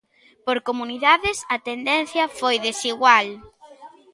Por comunidades a tendencia foi desigual.